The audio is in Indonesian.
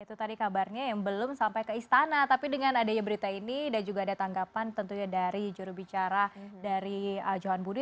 itu tadi kabarnya yang belum sampai ke istana tapi dengan adanya berita ini dan juga ada tanggapan tentunya dari jurubicara dari johan budi